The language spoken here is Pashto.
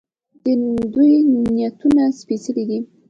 د دوی نیتونه سپیڅلي دي.